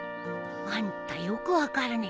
あんたよく分かるね。